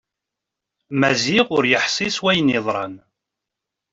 Maziɣ ur yeḥsi s wayen yeḍran.